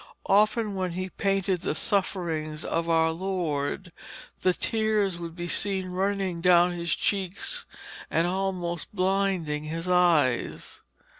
Often when he painted the sufferings of our Lord, the tears would be seen running down his cheeks and almost blinding his eyes.